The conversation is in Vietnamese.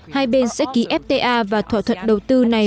hai bên sẽ ký fta và thỏa thuận đầu tư này